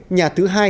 nhà thứ hai